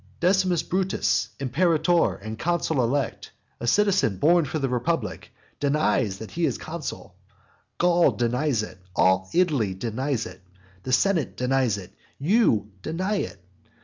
Decimus Brutus, imperator and consul elect, a citizen born for the republic, denies that he is consul; Gaul denies it; all Italy denies it; the senate denies it; you deny it.